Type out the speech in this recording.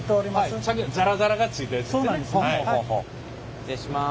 失礼します。